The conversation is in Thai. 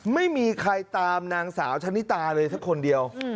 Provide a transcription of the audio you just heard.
ไม่มีใครตามนางสาวชะนิตาเลยสักคนเดียว